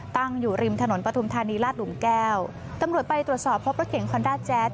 ตั้งอยู่ริมถนนปฐุมธานีลาดหลุมแก้วตำรวจไปตรวจสอบพบรถเก่งคอนด้าแจ๊ด